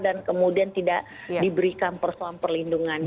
dan kemudian tidak diberikan persoalan perlindungannya